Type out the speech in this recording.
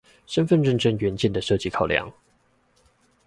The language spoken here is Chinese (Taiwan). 身分認證元件的設計考量